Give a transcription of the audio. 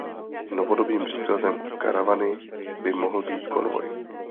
Novodobým příkladem karavany by mohl být konvoj.